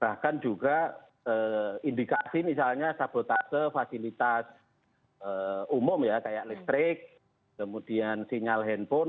bahkan juga indikasi misalnya sabotase fasilitas umum ya kayak listrik kemudian sinyal handphone